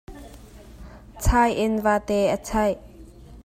Chai in vate a chaih.